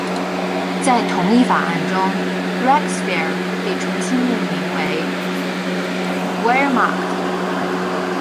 在同一法案中 ，“Reichswehr” 被重新命名为“ Wehrmacht”。